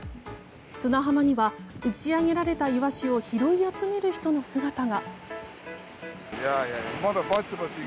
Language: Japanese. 砂浜には打ち揚げられたイワシを拾い集める人の姿が。